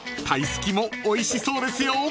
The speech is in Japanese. タイスキもおいしそうですよ］